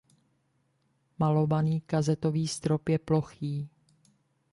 Malovaný kazetový strop je plochý.